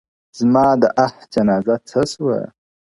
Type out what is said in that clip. زما د آه جنازه څه سوه؟ -